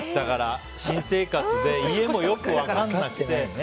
新生活で家もよく分からなくて。